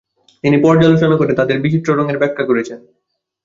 তিনি পর্যালোচনা করে তাদের বিচিত্র রঙের ব্যাখ্যা করেছেন।